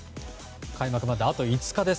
開幕まで、あと５日です。